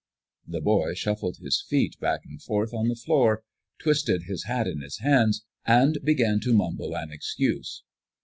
The boy shuffled his feet back and forth on the floor, twisted his hat in his hands, and began to mumble an excuse.